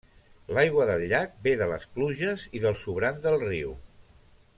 L'aigua del llac ve de les pluges i del sobrant del riu.